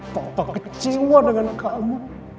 papa kecewa dengan kamu